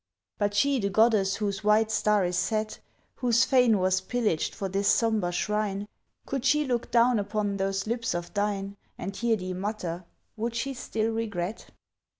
But she the goddess whose white star is set, Whose fane was pillaged for this sombre shrine, Could she look down upon those lips of thine, And hear thee mutter, would she still regret?